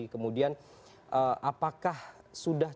kemudian apakah sudah